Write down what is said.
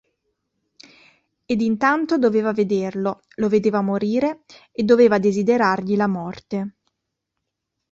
Ed intanto doveva vederlo, lo vedeva morire, e doveva desiderargli la morte.